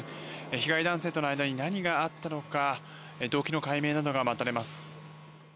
被害男性との間に何があったのか動機の解明などが待たれます。